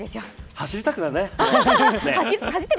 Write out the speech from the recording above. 走りたくなるね。